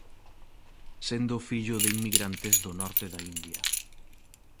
Sendo fillo de inmigrantes do norte da India.